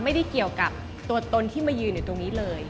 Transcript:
ไม่ได้เกี่ยวกับตัวตนที่มายืนอยู่ตรงนี้เลย